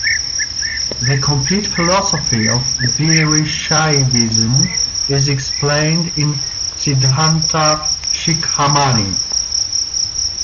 The complete philosophy of Veerashaivism is explained in Siddhanta Shikhamani.